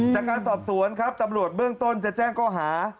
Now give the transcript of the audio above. จากการสอบสวนครับตำรวจเบื้องต้นจะแจ้งก้อหา